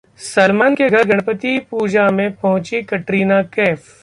सलमान के घर गणपति पूजा में पहुंची कटरीना कैफ